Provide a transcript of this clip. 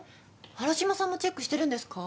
原島さんもチェックしてるんですか？